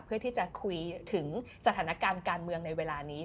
เพื่อที่จะคุยถึงสถานการณ์การเมืองในเวลานี้